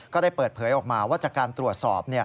ก็ได้เปิดเผยออกมาว่าจากการตรวจสอบ